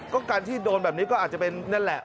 ก็การที่โดนแบบนี้ก็อาจจะเป็นนั่นแหละ